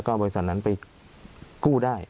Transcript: เอาบริษัทนั้นไปกู้ได้